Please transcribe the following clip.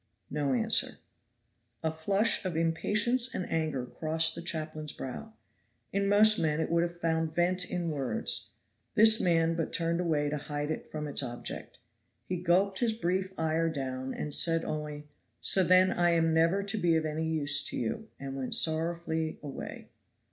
No answer. A flush of impatience and anger crossed the chaplain's brow. In most men it would have found vent in words. This man but turned away to hide it from its object. He gulped his brief ire down and said only, "So then I am never to be any use to you," and went sorrowfully away.